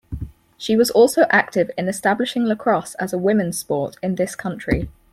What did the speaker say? She was also active in establishing lacrosse as a women's sport in this country.